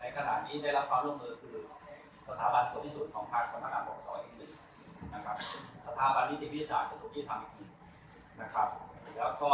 ในขณะนี้ได้รับความร่วมมือคือสถาบันส่วนที่สุดของทางสถานะประสอบอาวุธอีกหนึ่งนะครับสถาบันนี้ที่วิทยาศาสตร์ก็ทุกที่ทำอีกหนึ่งนะครับ